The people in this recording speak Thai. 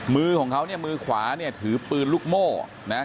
มือของเขาเนี่ยมือขวาเนี่ยถือปืนลูกโม่นะ